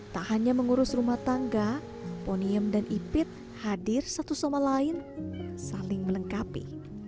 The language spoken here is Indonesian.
tak hanya mengurus rumah tangga ponium dan ipit hadir satu sama lain saling melengkapi